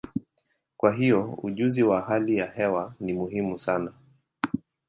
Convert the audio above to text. Kwa hiyo, ujuzi wa hali ya hewa ni muhimu sana.